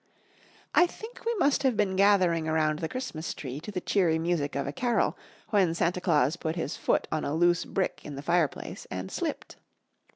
I think we must have been gathering around the Christmas tree to the cheery music of a carol when Santa Claus put his foot on a loose brick in the fireplace and slipped.